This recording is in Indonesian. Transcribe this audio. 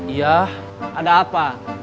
iya ada apa